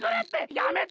やめて！